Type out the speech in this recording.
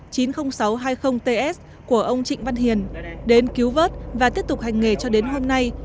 tàu cá qng chín mươi nghìn sáu trăm hai mươi ts của ông trịnh văn hiền đến cứu vớt và tiếp tục hành nghề cho đến hôm nay